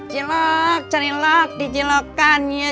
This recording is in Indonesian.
cilok cilok dicilokkan ya